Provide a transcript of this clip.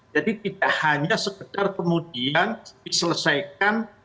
jadi tidak hanya segedar kemudian diselesaikan